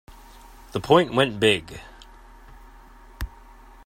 The point went big.